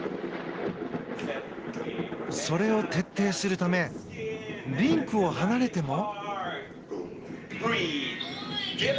それを徹底するためリンクを離れても。